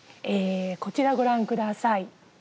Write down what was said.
こちらをご覧ください。